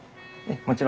もちろん。